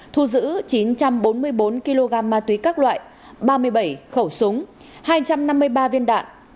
thu giữ chín trăm bốn mươi bốn kg ma túy các loại ba mươi bảy khẩu súng hai trăm năm mươi ba viên đạn